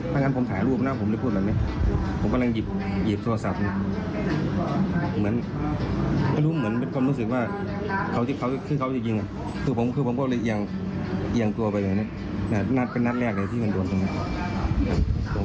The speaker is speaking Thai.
เอียงตัวไปเลยนะนัดเป็นนัดแรกที่มันโดนตรงนั้น